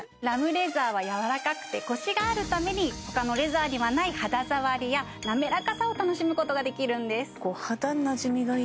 ラムレザーは柔らかくてコシがあるために他のレザーにはない肌触りやなめらかさを楽しむことができるんです